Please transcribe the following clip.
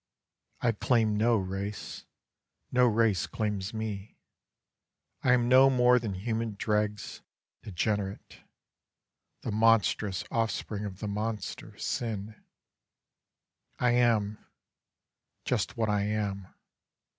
I claim no race, no race claims me; I am No more than human dregs; degenerate; The monstrous offspring of the monster, Sin; I am just what I am....